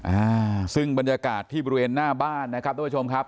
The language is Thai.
อ่าซึ่งบรรยากาศที่บริเวณหน้าบ้านนะครับทุกผู้ชมครับ